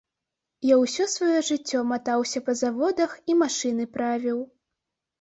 Я ўсё сваё жыццё матаўся па заводах і машыны правіў.